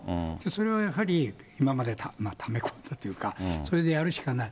それはやはり、今までため込んだというか、それでやるしかない。